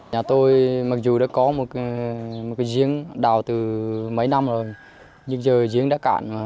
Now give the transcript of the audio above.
nhà tôi mặc dù đã có một cái giếng đào từ mấy năm rồi nhưng giờ giếng đã cạn